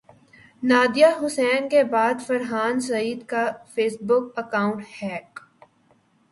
Nadia Hussain کے بعد فرحان سعید کا فیس بک اکانٹ ہیک